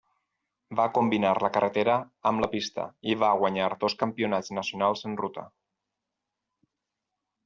Va combinar la carretera amb la pista i va guanyar dos campionats nacionals en ruta.